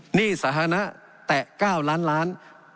หนี้สาธารณะแตะ๙ล้านล้าน